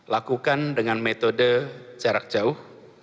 lakukan dengan metode jarak jauh